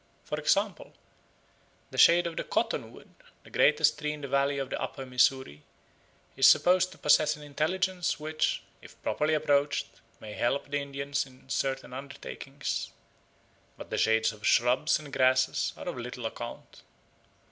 For example, the shade of the cottonwood, the greatest tree in the valley of the Upper Missouri, is supposed to possess an intelligence which, if properly approached, may help the Indians in certain undertakings; but the shades of shrubs and grasses are of little account.